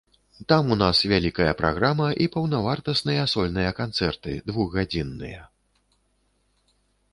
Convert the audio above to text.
Там у нас вялікая праграма і паўнавартасныя сольныя канцэрты, двухгадзінныя.